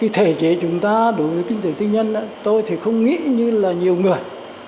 thể chế chúng ta đối với kinh tế tư nhân tôi thì không nghĩ như là nhiều người